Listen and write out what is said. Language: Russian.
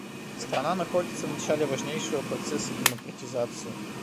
Страна находится в начале важнейшего процесса демократизации.